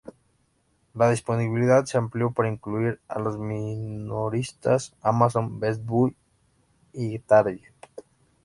La disponibilidad se amplió para incluir a los minoristas Amazon, Best Buy y Target.